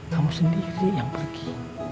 kamu sendiri yang pergi